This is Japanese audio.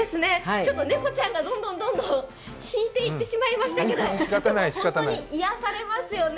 ちょっと猫ちゃんがどんどん、どんどん引いていってしまいましたけれども、本当に癒やされますよね。